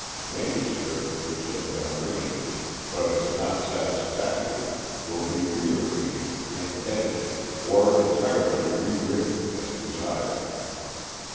Manuscript which has been arranged but is not satisfactory will be rearranged and edited, or entirely rewritten, as desired.